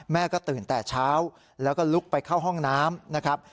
แม่ก็ตื่นแต่เช้าแล้วก็ลุกไปเข้าห้องน้ำนะครับ